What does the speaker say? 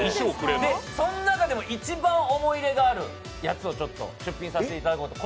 その中でも一番思い入れがあるやつを出品させていただいて。